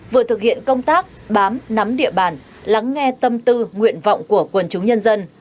vừa thực hiện công tác bám nắm địa bàn lắng nghe tâm tư nguyện vọng của quần chúng nhân dân